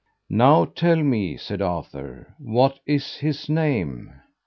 Now tell me, said Arthur, what is his name?